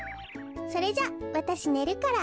それじゃわたしねるから。